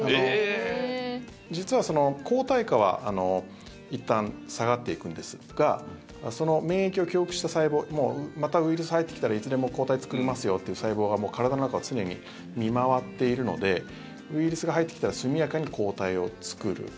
実は、抗体価はいったん下がっていくんですがその免疫を記憶した細胞またウイルスが入ってきたらいつでも抗体作れますよっていう細胞が体の中を常に見回っているのでウイルスが入ってきたら速やかに抗体を作る。